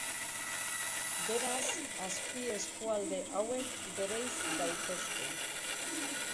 Beraz, azpieskualde hauek bereiz daitezke.